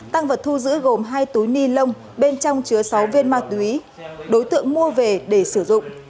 tăng vật thu giữ gồm hai túi ni lông bên trong chứa sáu viên ma túy đối tượng mua về để sử dụng